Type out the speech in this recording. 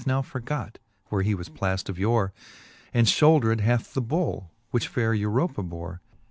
now forgot, where he was plaft of yore, . And fliouldred hath the bull, which fayre Europa bore.